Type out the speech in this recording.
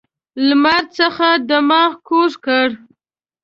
لمر څخه دماغ کوز کړ.